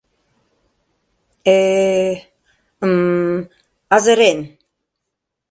Э-э, мм... азырен!..